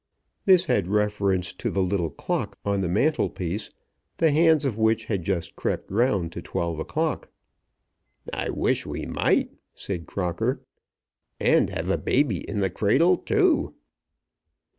This had reference to the little clock on the mantelpiece, the hands of which had just crept round to twelve o'clock. "I wish we might," said Crocker, "and have a baby in the cradle too."